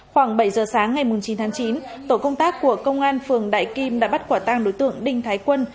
khoảng bảy giờ sáng ngày chín tháng chín tổ công tác của công an phường đại kim đã bắt quả tang đối tượng đinh thái quân